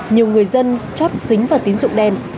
nhiều người dân chót dính vào tín dụng đen